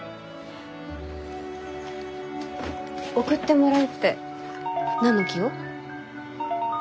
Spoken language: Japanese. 送ってもらうって何の木を？